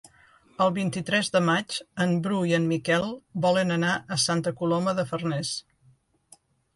El vint-i-tres de maig en Bru i en Miquel volen anar a Santa Coloma de Farners.